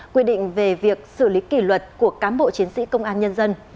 quy định về việc xử lý kỷ luật của cám bộ chiến sĩ công an nhân dân